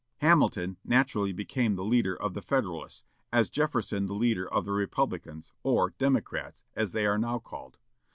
Hamilton naturally became the leader of the Federalists, as Jefferson the leader of the Republicans, or Democrats, as they are now called.